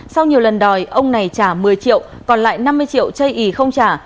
sau nhiều lần đòi ông này trả một mươi triệu còn lại năm mươi triệu chây ý không trả